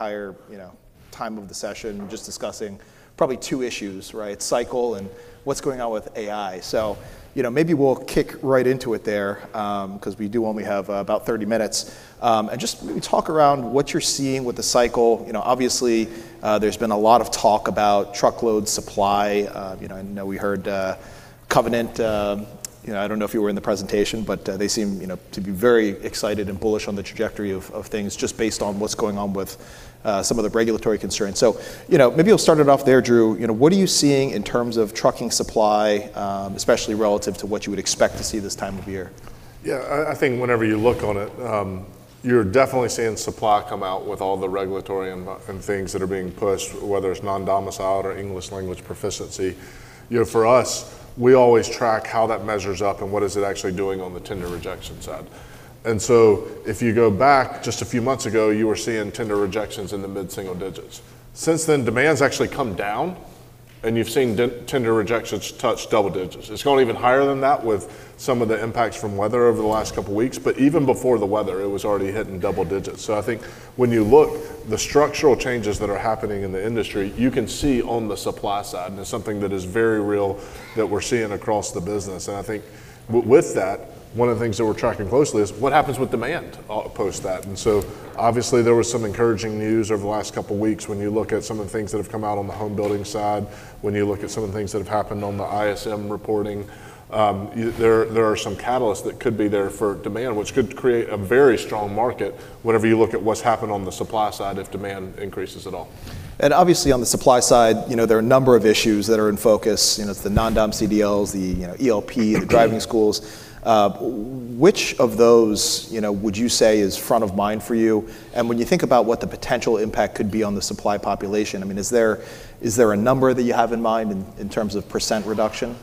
During the entire time of the session, just discussing probably two issues, right? Cycle and what's going on with AI. So, you know, maybe we'll kick right into it there, because we do only have about 30 minutes and just maybe talk around what you're seeing with the cycle. You know, obviously, there's been a lot of talk about truckload supply, you know, and I know we heard Covenant, you know, I don't know if you were in the presentation, but they seem, you know, to be very excited and bullish on the trajectory of, of things just based on what's going on with some of the regulatory concerns. So, you know, maybe we'll start it off there, Drew. You know, what are you seeing in terms of trucking supply, especially relative to what you would expect to see this time of year? Yeah, I think whenever you look on it, you're definitely seeing supply come out with all the regulatory and things that are being pushed, whether it's non-domiciled or English Language Proficiency. You know, for us, we always track how that measures up and what is it actually doing on the tender rejection side. And so if you go back just a few months ago, you were seeing tender rejections in the mid-single digits. Since then, demand's actually come down, and you've seen the tender rejections touch double digits. It's gone even higher than that with some of the impacts from weather over the last couple weeks, but even before the weather, it was already hitting double digits. So I think when you look, the structural changes that are happening in the industry, you can see on the supply side, and it's something that is very real that we're seeing across the business. And I think with that, one of the things that we're tracking closely is what happens with demand, post that. And so obviously, there was some encouraging news over the last couple weeks when you look at some of the things that have come out on the home building side, when you look at some of the things that have happened on the ISM reporting, there are some catalysts that could be there for demand, which could create a very strong market whenever you look at what's happened on the supply side if demand increases at all. And obviously, on the supply side, you know, there are a number of issues that are in focus. You know, it's the non-domiciled CDLs, the, you know, ELP, the driving schools. Which of those, you know, would you say is front of mind for you? And when you think about what the potential impact could be on the supply population, I mean, is there a number that you have in mind in terms of percent reduction?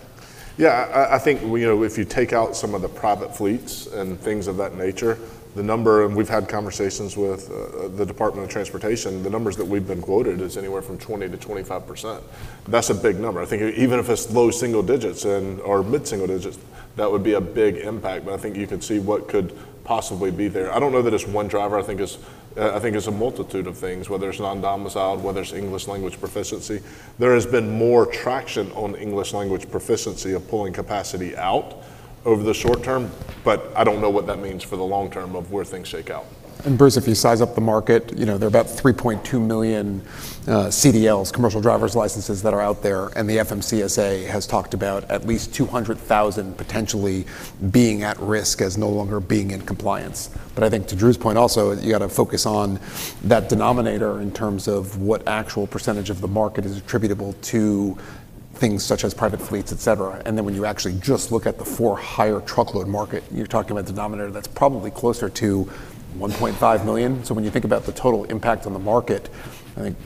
Yeah, I think, you know, if you take out some of the private fleets and things of that nature, the number, and we've had conversations with the Department of Transportation, the numbers that we've been quoted is anywhere from 20%-25%. That's a big number. I think even if it's low single digits and/or mid-single digits, that would be a big impact, but I think you could see what could possibly be there. I don't know that it's one driver. I think it's a multitude of things, whether it's non-domiciled, whether it's English Language Proficiency. There has been more traction on English Language Proficiency of pulling capacity out over the short term, but I don't know what that means for the long term of where things shake out. And Bruce, if you size up the market, you know, there are about 3.2 million CDLs, commercial driver's licenses, that are out there, and the FMCSA has talked about at least 200,000 potentially being at risk as no longer being in compliance. But I think to Drew's point also, you gotta focus on that denominator in terms of what actual percentage of the market is attributable to things such as private fleets, etc. And then when you actually just look at the for-hire truckload market, you're talking about a denominator that's probably closer to 1.5 million. So when you think about the total impact on the market, I think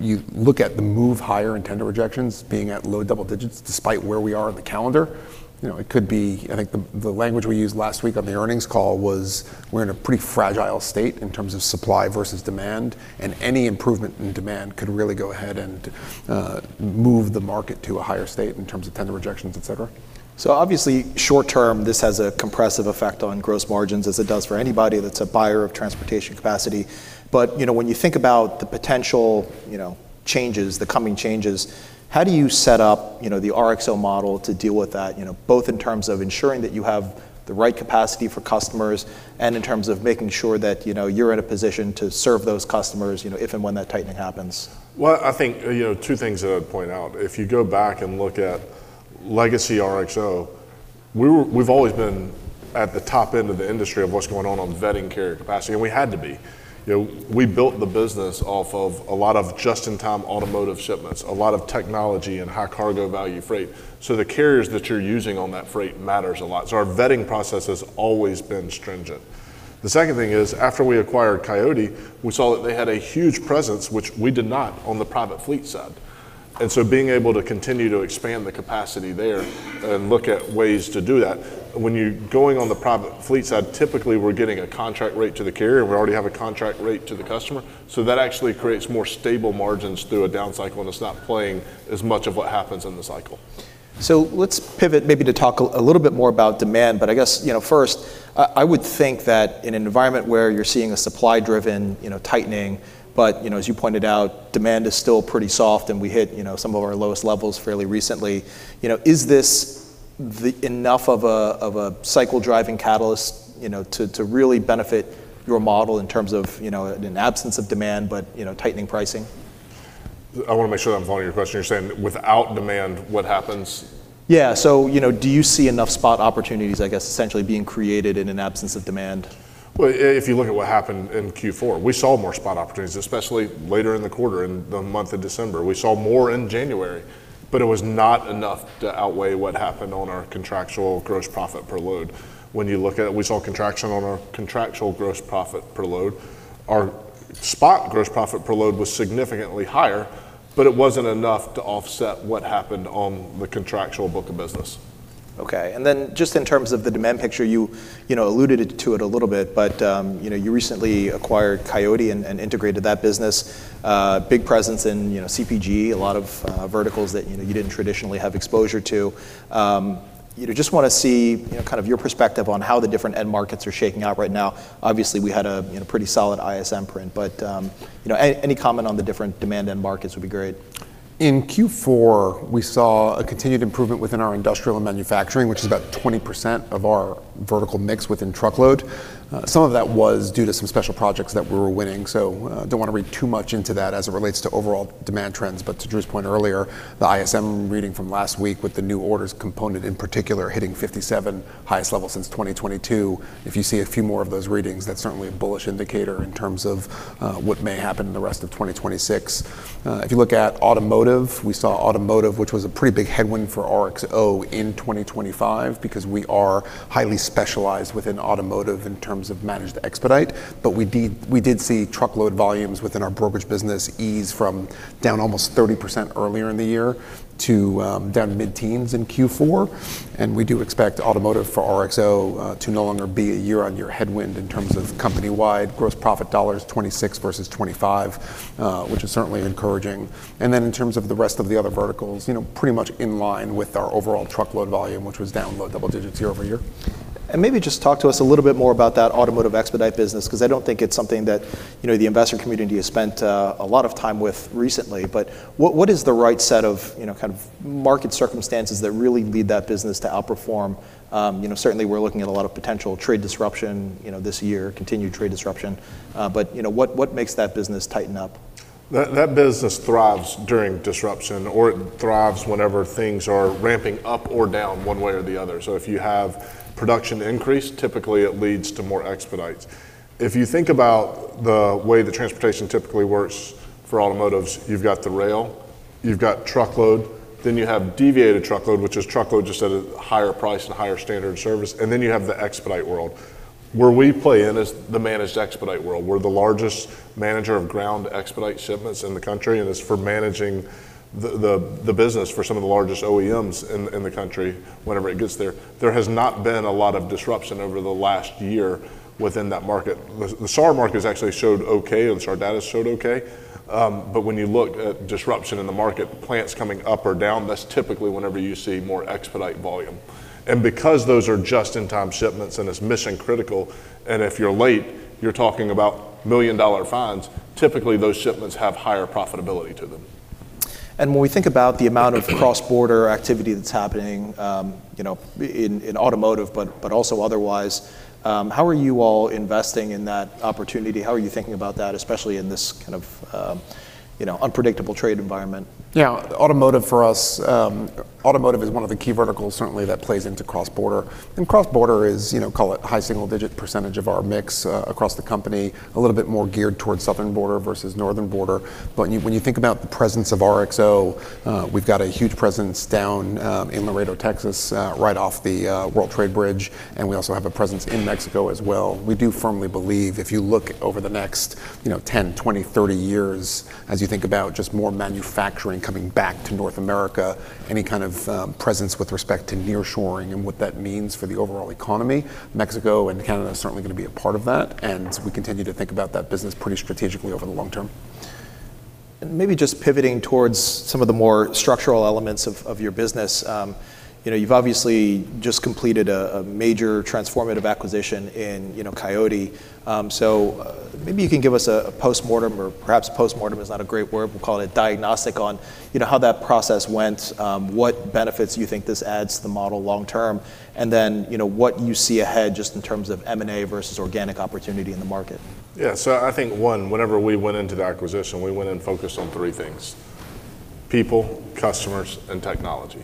you look at the move higher in tender rejections being at low double digits despite where we are on the calendar. You know, it could be I think the language we used last week on the earnings call was we're in a pretty fragile state in terms of supply versus demand, and any improvement in demand could really go ahead and move the market to a higher state in terms of tender rejections, etc. So obviously, short term, this has a compressive effect on gross margins as it does for anybody that's a buyer of transportation capacity. But, you know, when you think about the potential, you know, changes, the coming changes, how do you set up, you know, the RXO model to deal with that, you know, both in terms of ensuring that you have the right capacity for customers and in terms of making sure that, you know, you're in a position to serve those customers, you know, if and when that tightening happens? Well, I think, you know, two things that I'd point out. If you go back and look at legacy RXO, we've always been at the top end of the industry of what's going on on vetting carrier capacity, and we had to be. You know, we built the business off of a lot of just-in-time automotive shipments, a lot of technology and high cargo value freight. So the carriers that you're using on that freight matters a lot. So our vetting process has always been stringent. The second thing is, after we acquired Coyote, we saw that they had a huge presence, which we did not, on the private fleet side. And so being able to continue to expand the capacity there and look at ways to do that, when you're going on the private fleet side, typically, we're getting a contract rate to the carrier, and we already have a contract rate to the customer. So that actually creates more stable margins through a down cycle, and it's not playing as much of what happens in the cycle. So let's pivot maybe to talk a little bit more about demand. But I guess, you know, first, I would think that in an environment where you're seeing a supply-driven, you know, tightening, but, you know, as you pointed out, demand is still pretty soft, and we hit, you know, some of our lowest levels fairly recently, you know, is this enough of a cycle-driving catalyst, you know, to really benefit your model in terms of, you know, an absence of demand but, you know, tightening pricing? I wanna make sure that I'm following your question. You're saying without demand, what happens? Yeah, so, you know, do you see enough spot opportunities, I guess, essentially being created in an absence of demand? Well, if you look at what happened in Q4, we saw more spot opportunities, especially later in the quarter in the month of December. We saw more in January, but it was not enough to outweigh what happened on our contractual gross profit per load. When you look at, we saw contraction on our contractual gross profit per load. Our spot gross profit per load was significantly higher, but it wasn't enough to offset what happened on the contractual book of business. Okay, and then just in terms of the demand picture, you, you know, alluded to it a little bit, but, you know, you recently acquired Coyote and, and integrated that business, big presence in, you know, CPG, a lot of, verticals that, you know, you didn't traditionally have exposure to. You know, just wanna see, you know, kind of your perspective on how the different end markets are shaking out right now. Obviously, we had a, you know, pretty solid ISM print, but, you know, any comment on the different demand end markets would be great. In Q4, we saw a continued improvement within our industrial and manufacturing, which is about 20% of our vertical mix within truckload. Some of that was due to some special projects that we were winning. So, don't wanna read too much into that as it relates to overall demand trends, but to Drew's point earlier, the ISM reading from last week with the new orders component in particular hitting 57, highest level since 2022. If you see a few more of those readings, that's certainly a bullish indicator in terms of what may happen in the rest of 2026. If you look at automotive, we saw automotive, which was a pretty big headwind for RXO in 2025 because we are highly specialized within automotive in terms of managed expedite, but we did see truckload volumes within our brokerage business ease from down almost 30% earlier in the year to down mid-teens in Q4. And we do expect automotive for RXO to no longer be a year-on-year headwind in terms of company-wide gross profit dollars, 2026 versus 2025, which is certainly encouraging. And then in terms of the rest of the other verticals, you know, pretty much in line with our overall truckload volume, which was down low double digits year-over-year. Maybe just talk to us a little bit more about that automotive expedite business because I don't think it's something that, you know, the investor community has spent a lot of time with recently. But what, what is the right set of, you know, kind of market circumstances that really lead that business to outperform? You know, certainly, we're looking at a lot of potential trade disruption, you know, this year, continued trade disruption. But, you know, what, what makes that business tighten up? That business thrives during disruption, or it thrives whenever things are ramping up or down one way or the other. So if you have production increase, typically, it leads to more expedites. If you think about the way the transportation typically works for automotives, you've got the rail, you've got truckload, then you have deviated truckload, which is truckload just at a higher price and higher standard service, and then you have the expedite world. Where we play in is the managed expedite world. We're the largest manager of ground expedite shipments in the country, and it's for managing the business for some of the largest OEMs in the country whenever it gets there. There has not been a lot of disruption over the last year within that market. The SAR market has actually showed okay, and SAR data has showed okay. When you look at disruption in the market, plants coming up or down, that's typically whenever you see more expedite volume. Because those are Just-in-Time shipments and it's mission critical, and if you're late, you're talking about million-dollar fines, typically, those shipments have higher profitability to them. When we think about the amount of cross-border activity that's happening, you know, in, in automotive but, but also otherwise, how are you all investing in that opportunity? How are you thinking about that, especially in this kind of, you know, unpredictable trade environment? Yeah, automotive for us, automotive is one of the key verticals, certainly, that plays into cross-border. And cross-border is, you know, call it high single-digit % of our mix, across the company, a little bit more geared towards southern border versus northern border. But when you when you think about the presence of RXO, we've got a huge presence down, in Laredo, Texas, right off the, World Trade Bridge, and we also have a presence in Mexico as well. We do firmly believe if you look over the next, you know, 10, 20, 30 years, as you think about just more manufacturing coming back to North America, any kind of, presence with respect to nearshoring and what that means for the overall economy, Mexico and Canada are certainly gonna be a part of that, and we continue to think about that business pretty strategically over the long term. Maybe just pivoting towards some of the more structural elements of your business, you know, you've obviously just completed a major transformative acquisition in, you know, Coyote. Maybe you can give us a postmortem or perhaps postmortem is not a great word. We'll call it a diagnostic on, you know, how that process went, what benefits you think this adds to the model long term, and then, you know, what you see ahead just in terms of M&A versus organic opportunity in the market. Yeah, so I think, one, whenever we went into the acquisition, we went and focused on three things: people, customers, and technology.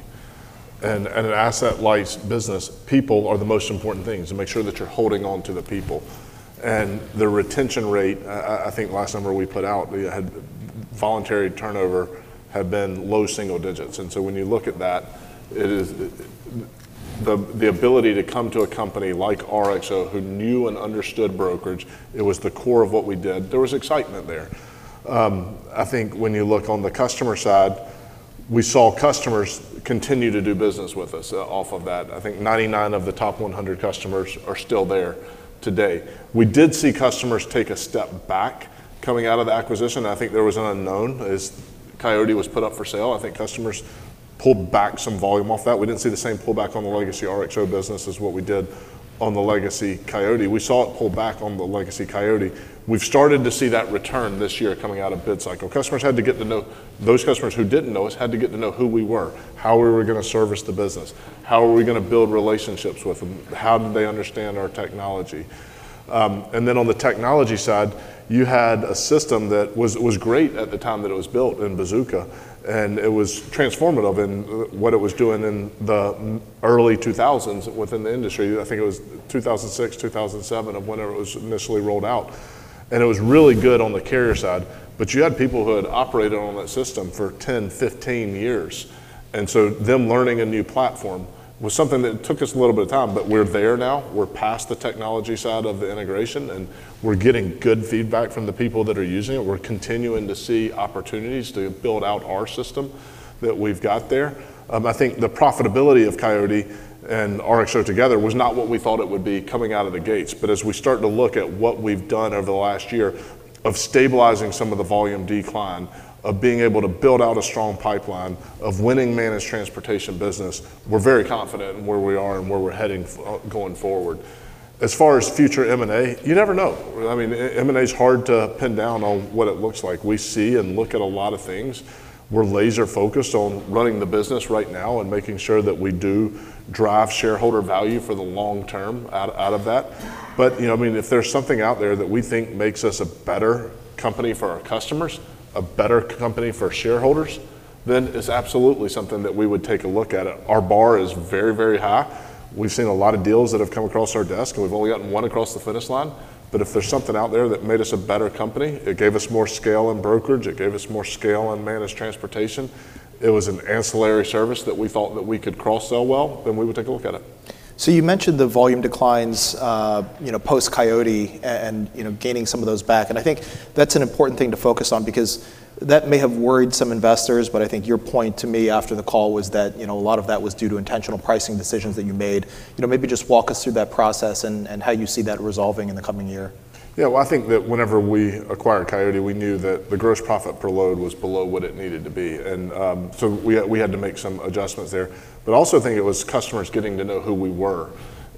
And an asset-like business, people are the most important things, and make sure that you're holding onto the people. And the retention rate, I think last number we put out had voluntary turnover had been low single digits. And so when you look at that, it is the ability to come to a company like RXO who knew and understood brokerage, it was the core of what we did. There was excitement there. I think when you look on the customer side, we saw customers continue to do business with us, off of that. I think 99 of the top 100 customers are still there today. We did see customers take a step back coming out of the acquisition. I think there was an unknown as Coyote was put up for sale. I think customers pulled back some volume off that. We didn't see the same pullback on the legacy RXO business as what we did on the legacy Coyote. We saw it pull back on the legacy Coyote. We've started to see that return this year coming out of bid cycle. Customers had to get to know those customers who didn't know us had to get to know who we were, how we were gonna service the business, how we were gonna build relationships with them, how did they understand our technology. And then on the technology side, you had a system that was, was great at the time that it was built in Bazooka, and it was transformative in what it was doing in the early 2000s within the industry. I think it was 2006, 2007 or whenever it was initially rolled out. It was really good on the carrier side, but you had people who had operated on that system for 10, 15 years. So them learning a new platform was something that took us a little bit of time, but we're there now. We're past the technology side of the integration, and we're getting good feedback from the people that are using it. We're continuing to see opportunities to build out our system that we've got there. I think the profitability of Coyote and RXO together was not what we thought it would be coming out of the gates, but as we start to look at what we've done over the last year of stabilizing some of the volume decline, of being able to build out a strong pipeline, of winning managed transportation business, we're very confident in where we are and where we're heading going forward. As far as future M&A, you never know. I mean, M&A's hard to pin down on what it looks like. We see and look at a lot of things. We're laser-focused on running the business right now and making sure that we do drive shareholder value for the long term out of that. But, you know, I mean, if there's something out there that we think makes us a better company for our customers, a better company for shareholders, then it's absolutely something that we would take a look at. Our bar is very, very high. We've seen a lot of deals that have come across our desk, and we've only gotten one across the finish line. But if there's something out there that made us a better company, it gave us more scale in brokerage, it gave us more scale in managed transportation, it was an ancillary service that we thought that we could cross-sell well, then we would take a look at it. So you mentioned the volume declines, you know, post-Coyote and, you know, gaining some of those back. And I think that's an important thing to focus on because that may have worried some investors, but I think your point to me after the call was that, you know, a lot of that was due to intentional pricing decisions that you made. You know, maybe just walk us through that process and how you see that resolving in the coming year? Yeah, well, I think that whenever we acquired Coyote, we knew that the gross profit per load was below what it needed to be. And, so we had to make some adjustments there. But I also think it was customers getting to know who we were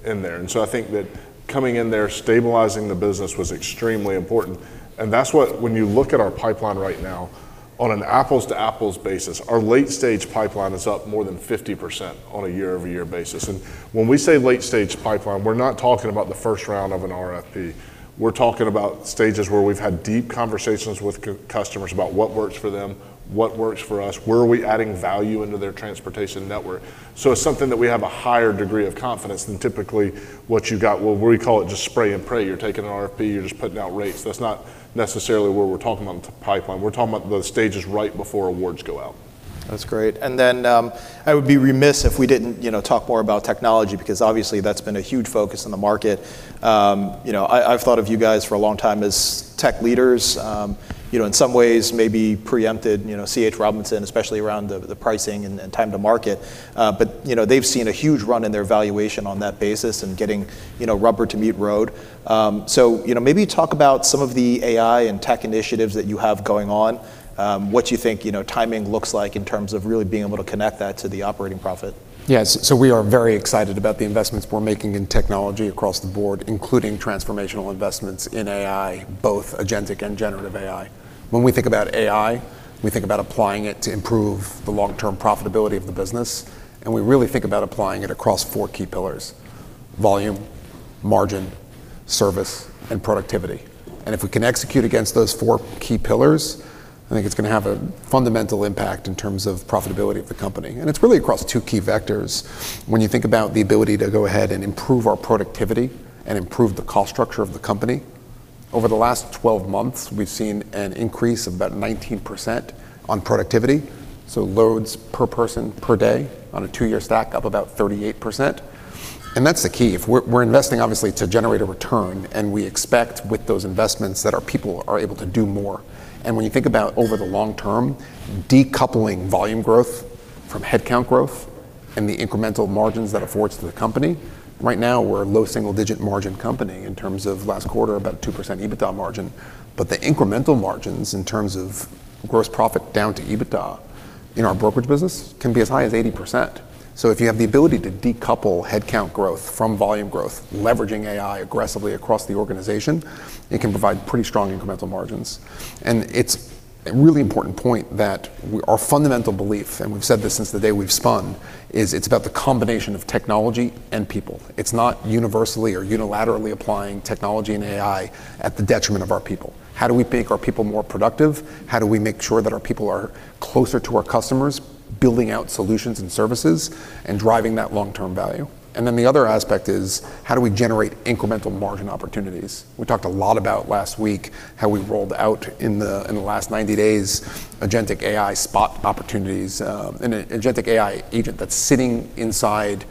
in there. And so I think that coming in there, stabilizing the business was extremely important. And that's what, when you look at our pipeline right now, on an apples-to-apples basis, our late-stage pipeline is up more than 50% on a year-over-year basis. And when we say late-stage pipeline, we're not talking about the first round of an RFP. We're talking about stages where we've had deep conversations with customers about what works for them, what works for us, where are we adding value into their transportation network. So it's something that we have a higher degree of confidence than typically what you got. Well, we call it just spray and pray. You're taking an RFP, you're just putting out rates. That's not necessarily where we're talking about the pipeline. We're talking about the stages right before awards go out. That's great. And then, I would be remiss if we didn't, you know, talk more about technology because obviously, that's been a huge focus in the market. You know, I've thought of you guys for a long time as tech leaders, you know, in some ways, maybe preempted, you know, C.H. Robinson, especially around the pricing and time to market. But, you know, they've seen a huge run in their valuation on that basis and getting, you know, rubber to meet road. So, you know, maybe talk about some of the AI and tech initiatives that you have going on, what you think, you know, timing looks like in terms of really being able to connect that to the operating profit. Yeah, so we are very excited about the investments we're making in technology across the board, including transformational investments in AI, both agentic and generative AI. When we think about AI, we think about applying it to improve the long-term profitability of the business, and we really think about applying it across four key pillars: volume, margin, service, and productivity. And if we can execute against those four key pillars, I think it's gonna have a fundamental impact in terms of profitability of the company. And it's really across two key vectors. When you think about the ability to go ahead and improve our productivity and improve the cost structure of the company, over the last 12 months, we've seen an increase of about 19% on productivity, so loads per person per day on a two-year stack up about 38%. And that's the key. If we're, we're investing, obviously, to generate a return, and we expect with those investments that our people are able to do more. And when you think about over the long term, decoupling volume growth from headcount growth and the incremental margins that affords to the company, right now, we're a low single-digit margin company in terms of last quarter, about 2% EBITDA margin. But the incremental margins in terms of gross profit down to EBITDA in our brokerage business can be as high as 80%. So if you have the ability to decouple headcount growth from volume growth leveraging AI aggressively across the organization, it can provide pretty strong incremental margins. And it's a really important point that our fundamental belief, and we've said this since the day we've spun, is it's about the combination of technology and people. It's not universally or unilaterally applying technology and AI at the detriment of our people. How do we make our people more productive? How do we make sure that our people are closer to our customers, building out solutions and services, and driving that long-term value? And then the other aspect is how do we generate incremental margin opportunities? We talked a lot about last week how we rolled out in the last 90 days agentic AI spot opportunities, an agentic AI agent that's sitting inside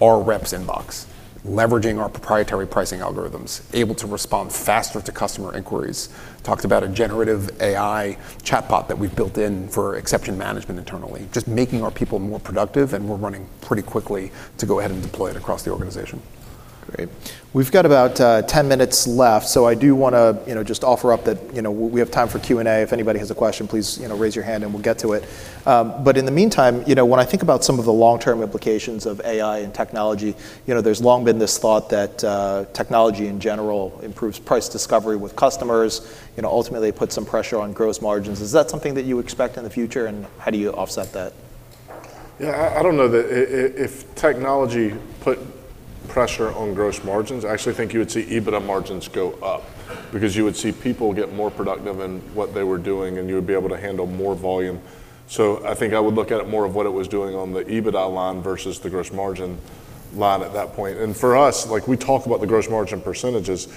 our reps' inbox, leveraging our proprietary pricing algorithms, able to respond faster to customer inquiries. Talked about a generative AI chatbot that we've built in for exception management internally, just making our people more productive, and we're running pretty quickly to go ahead and deploy it across the organization. Great. We've got about 10 minutes left, so I do wanna, you know, just offer up that, you know, we have time for Q&A. If anybody has a question, please, you know, raise your hand, and we'll get to it. But in the meantime, you know, when I think about some of the long-term implications of AI and technology, you know, there's long been this thought that technology in general improves price discovery with customers, you know, ultimately puts some pressure on gross margins. Is that something that you expect in the future, and how do you offset that? Yeah, I don't know that if technology put pressure on gross margins, I actually think you would see EBITDA margins go up because you would see people get more productive in what they were doing, and you would be able to handle more volume. So I think I would look at it more of what it was doing on the EBITDA line versus the gross margin line at that point. And for us, like, we talk about the gross margin percentages,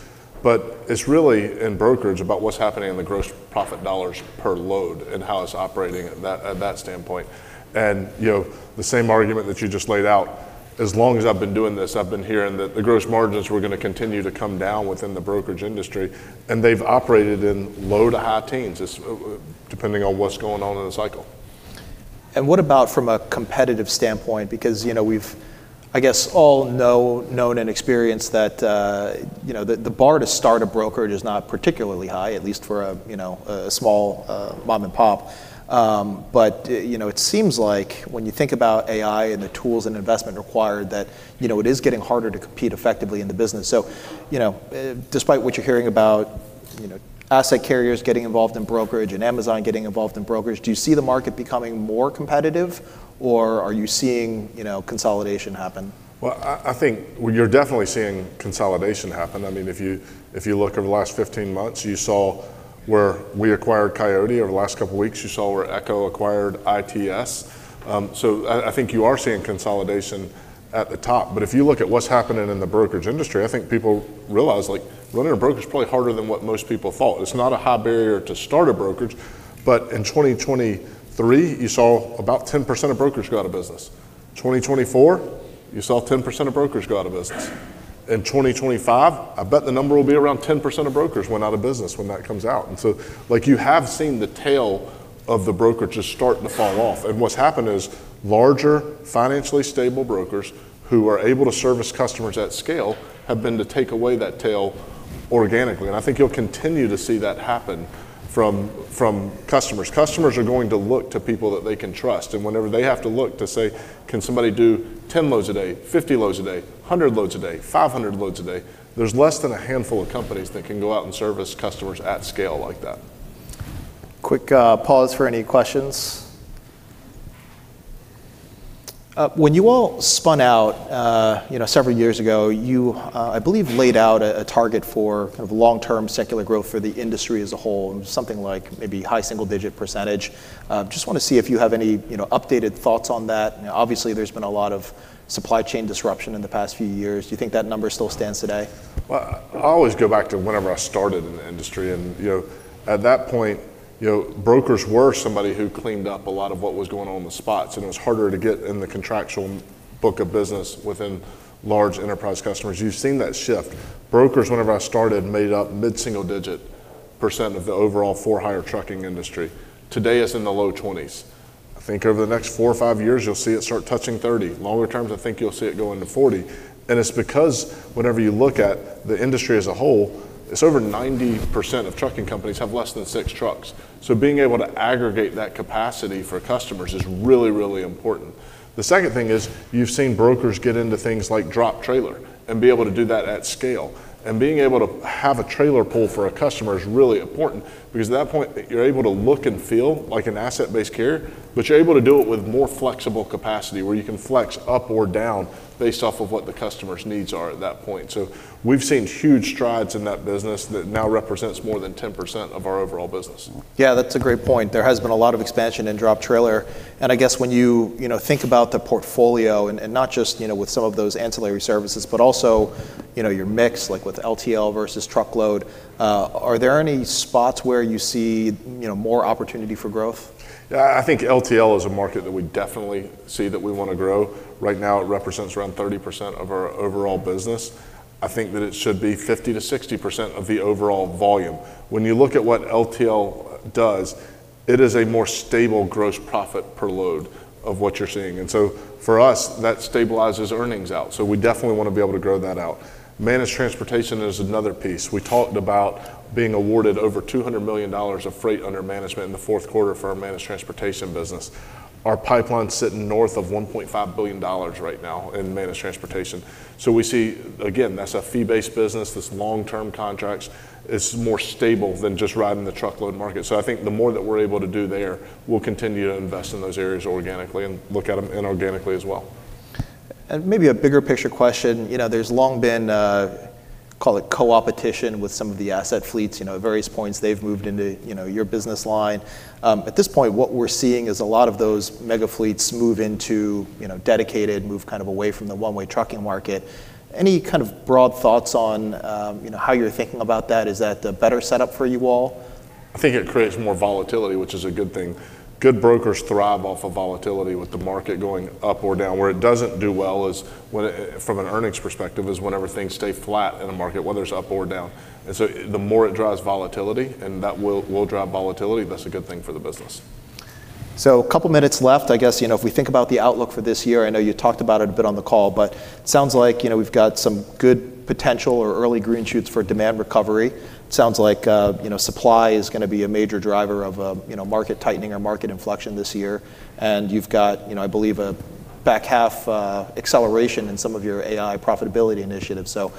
but it's really, in brokerage, about what's happening in the gross profit dollars per load and how it's operating at that standpoint. You know, the same argument that you just laid out, as long as I've been doing this, I've been hearing that the gross margins were gonna continue to come down within the brokerage industry, and they've operated in low-to-high teens. It's depending on what's going on in the cycle. What about from a competitive standpoint? Because, you know, we've, I guess, all known and experienced that, you know, the bar to start a brokerage is not particularly high, at least for a, you know, a small, mom-and-pop. But, you know, it seems like when you think about AI and the tools and investment required that, you know, it is getting harder to compete effectively in the business. So, you know, despite what you're hearing about, you know, asset carriers getting involved in brokerage and Amazon getting involved in brokerage, do you see the market becoming more competitive, or are you seeing, you know, consolidation happen? Well, I think you're definitely seeing consolidation happen. I mean, if you look over the last 15 months, you saw where we acquired Coyote. Over the last couple of weeks, you saw where Echo acquired ITS. So I think you are seeing consolidation at the top. But if you look at what's happening in the brokerage industry, I think people realize, like, running a brokerage is probably harder than what most people thought. It's not a high barrier to start a brokerage, but in 2023, you saw about 10% of brokers go out of business. 2024, you saw 10% of brokers go out of business. In 2025, I bet the number will be around 10% of brokers went out of business when that comes out. And so, like, you have seen the tail of the brokerage just start to fall off. What's happened is larger, financially stable brokers who are able to service customers at scale have been able to take away that tail organically. I think you'll continue to see that happen from, from customers. Customers are going to look to people that they can trust. And whenever they have to look to say, "Can somebody do 10 loads a day, 50 loads a day, 100 loads a day, 500 loads a day," there's less than a handful of companies that can go out and service customers at scale like that. Quick pause for any questions. When you all spun out, you know, several years ago, you, I believe, laid out a, a target for kind of long-term secular growth for the industry as a whole, something like maybe high single-digit %. Just wanna see if you have any, you know, updated thoughts on that. You know, obviously, there's been a lot of supply chain disruption in the past few years. Do you think that number still stands today? Well, I always go back to whenever I started in the industry. And, you know, at that point, you know, brokers were somebody who cleaned up a lot of what was going on on the spots, and it was harder to get in the contractual book of business within large enterprise customers. You've seen that shift. Brokers, whenever I started, made up mid-single-digit % of the overall for-hire trucking industry. Today, it's in the low 20s. I think over the next four or five years, you'll see it start touching 30. Longer terms, I think you'll see it go into 40. And it's because whenever you look at the industry as a whole, it's over 90% of trucking companies have less than six trucks. So being able to aggregate that capacity for customers is really, really important. The second thing is you've seen brokers get into things like drop trailer and be able to do that at scale. And being able to have a trailer pull for a customer is really important because at that point, you're able to look and feel like an asset-based carrier, but you're able to do it with more flexible capacity where you can flex up or down based off of what the customer's needs are at that point. So we've seen huge strides in that business that now represents more than 10% of our overall business. Yeah, that's a great point. There has been a lot of expansion in drop trailer. And I guess when you, you know, think about the portfolio and, and not just, you know, with some of those ancillary services, but also, you know, your mix, like with LTL versus truckload, are there any spots where you see, you know, more opportunity for growth? Yeah, I, I think LTL is a market that we definitely see that we wanna grow. Right now, it represents around 30% of our overall business. I think that it should be 50%-60% of the overall volume. When you look at what LTL does, it is a more stable gross profit per load of what you're seeing. And so for us, that stabilizes earnings out. So we definitely wanna be able to grow that out. Managed transportation is another piece. We talked about being awarded over $200 million of freight under management in the fourth quarter for our managed transportation business. Our pipeline's sitting north of $1.5 billion right now in managed transportation. So we see again, that's a fee-based business. It's long-term contracts. It's more stable than just riding the truckload market. I think the more that we're able to do there, we'll continue to invest in those areas organically and look at them inorganically as well. Maybe a bigger picture question. You know, there's long been, call it co-opetition with some of the asset fleets. You know, at various points, they've moved into, you know, your business line. At this point, what we're seeing is a lot of those mega fleets move into, you know, dedicated, move kind of away from the one-way trucking market. Any kind of broad thoughts on, you know, how you're thinking about that? Is that a better setup for you all? I think it creates more volatility, which is a good thing. Good brokers thrive off of volatility with the market going up or down. Where it doesn't do well is when it, from an earnings perspective, is whenever things stay flat in a market, whether it's up or down. So the more it drives volatility, and that will drive volatility, that's a good thing for the business. So a couple minutes left. I guess, you know, if we think about the outlook for this year, I know you talked about it a bit on the call, but it sounds like, you know, we've got some good potential or early green shoots for demand recovery. It sounds like, you know, supply is gonna be a major driver of a, you know, market tightening or market inflection this year. And you've got, you know, I believe, a back half, acceleration in some of your AI profitability initiatives. So,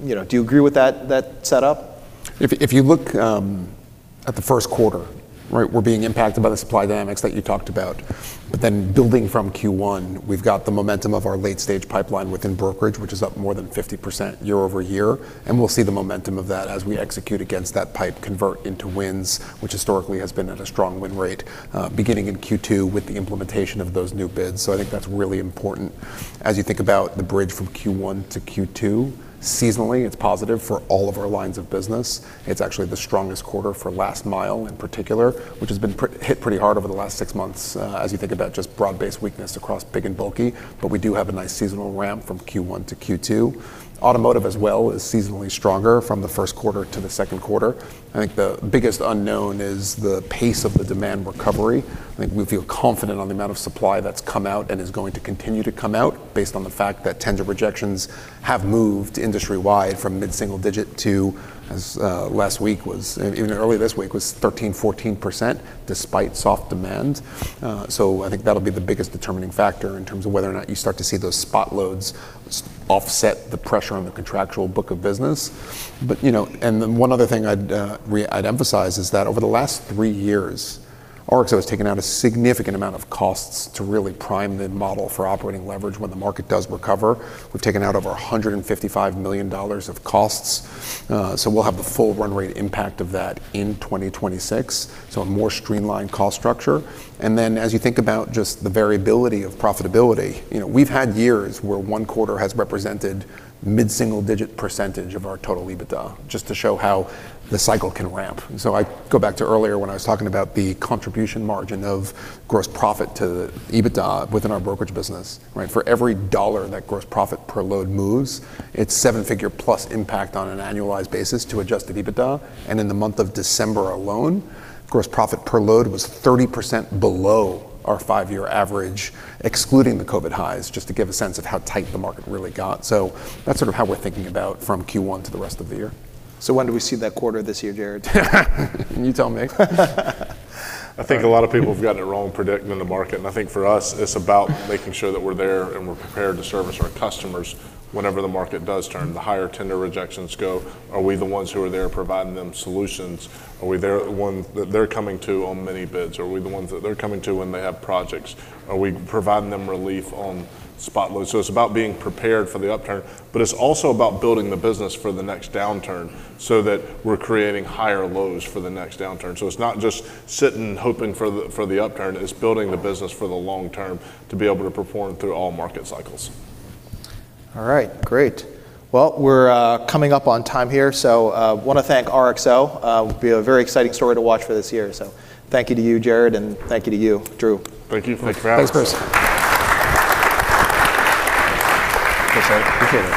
you know, do you agree with that, that setup? If you look at the first quarter, right, we're being impacted by the supply dynamics that you talked about. But then building from Q1, we've got the momentum of our late-stage pipeline within brokerage, which is up more than 50% year-over-year. And we'll see the momentum of that as we execute against that pipe convert into wins, which historically has been at a strong win rate, beginning in Q2 with the implementation of those new bids. So I think that's really important. As you think about the bridge from Q1 to Q2, seasonally, it's positive for all of our lines of business. It's actually the strongest quarter for Last Mile in particular, which has been hit pretty hard over the last six months, as you think about just broad-based weakness across Big and Bulky. But we do have a nice seasonal ramp from Q1 to Q2. Automotive as well is seasonally stronger from the first quarter to the second quarter. I think the biggest unknown is the pace of the demand recovery. I think we feel confident on the amount of supply that's come out and is going to continue to come out based on the fact that tender rejections have moved industry-wide from mid-single digit to, as last week was even early this week was 13%-14% despite soft demand, so I think that'll be the biggest determining factor in terms of whether or not you start to see those spot loads offset the pressure on the contractual book of business. But, you know, and the one other thing I'd re-emphasize is that over the last 3 years, RXO has taken out a significant amount of costs to really prime the model for operating leverage when the market does recover. We've taken out over $155 million of costs, so we'll have the full run-rate impact of that in 2026, so a more streamlined cost structure. And then as you think about just the variability of profitability, you know, we've had years where one quarter has represented mid-single-digit percentage of our total EBITDA just to show how the cycle can ramp. And so I go back to earlier when I was talking about the contribution margin of gross profit to the EBITDA within our brokerage business, right? For every dollar that gross profit per load moves, it's seven-figure-plus impact on an annualized basis to adjusted EBITDA. In the month of December alone, gross profit per load was 30% below our five-year average, excluding the COVID highs, just to give a sense of how tight the market really got. That's sort of how we're thinking about from Q1 to the rest of the year. When do we see that quarter this year, Jared? You tell me. I think a lot of people have gotten it wrong predicting the market. I think for us, it's about making sure that we're there and we're prepared to service our customers whenever the market does turn. The higher tender rejections go, are we the ones who are there providing them solutions? Are we there the ones that they're coming to on many bids? Are we the ones that they're coming to when they have projects? Are we providing them relief on spot loads? So it's about being prepared for the upturn, but it's also about building the business for the next downturn so that we're creating higher lows for the next downturn. So it's not just sitting hoping for the upturn. It's building the business for the long term to be able to perform through all market cycles. All right. Great. Well, we're coming up on time here. So, wanna thank RXO. It'll be a very exciting story to watch for this year. So thank you to you, Jared, and thank you to you, Drew. Thank you. Thanks for having us. Thanks, Bruce. Thanks, Jared.